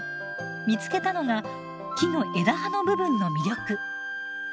見つけたのが木の枝葉の部分の魅力。